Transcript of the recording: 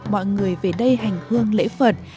mọi người về đây hành hương lễ phật